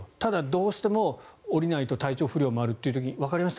ただ、どうしても降りないと体調不良もあるという時わかりました